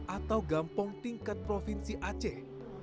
atau gampong tingkat provinsi aceh